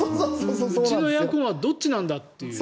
うちのエアコンはどっちなんだっていう。